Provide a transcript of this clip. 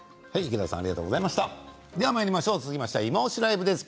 続きましては「いまオシ！ＬＩＶＥ」です。